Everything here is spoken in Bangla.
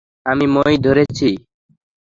আমি মই ধরছি।